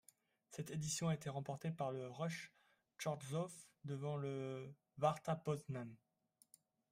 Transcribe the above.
Cette édition a été remportée par le Ruch Chorzów, devant le Warta Poznań.